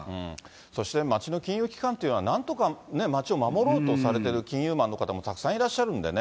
そして、街の金融機関というのは、なんとか街を守ろうとされてる金融マンの方もたくさんいらっしゃるんでね。